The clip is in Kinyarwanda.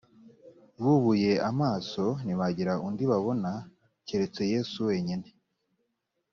bubuye amaso ntibagira undi babona keretse yesu wenyine